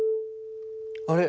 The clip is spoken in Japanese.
あれ？